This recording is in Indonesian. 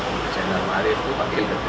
komitmen jenderal marif itu pakai debah